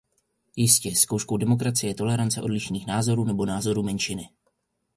Jistě, zkouškou demokracie je tolerance odlišných názorů nebo názorů menšiny.